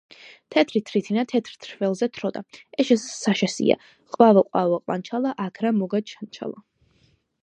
თეთრი თრითინა თეთრ თრველზე თროდა. ეს შეშა საშასია. ყვავო, ყვავო, ყვანჩალა, აქ რამ მოგაჩანჩალა?